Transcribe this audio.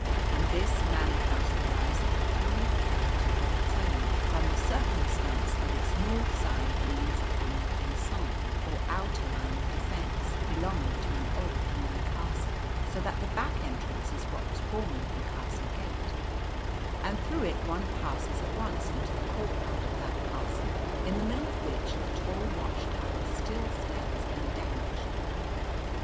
And this Manor House derives a peculiar character of its own from the circumstance that its north side leans upon the enceinte, or outer line of defence belonging to an old ruined castle, so that the back entrance is what was formerly the castle gate, and through it one passes at once into the courtyard of that castle, in the middle of which the tall watch tower still stands undamaged.